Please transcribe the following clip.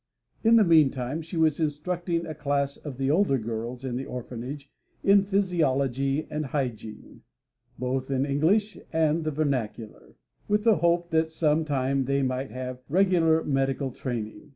In the meantime she was instructing a class of the older girls in the orphanage in physiology and hygiene, both in English and the vernacular, with the hope that some time they might have regular medical training.